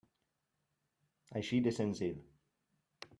Així de senzill.